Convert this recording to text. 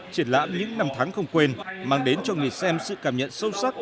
triển lãm những năm tháng không quên mang đến cho người xem sự cảm nhận sâu sắc